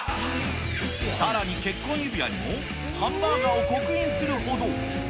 さらに、結婚指輪にもハンバーガーを刻印するほど。